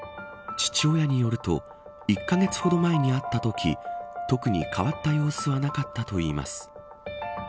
父親によると１カ月ほど前に会ったとき特に変わった様子はなかったといいます。